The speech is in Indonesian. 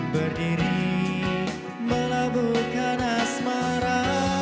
berdiri melaburkan asmara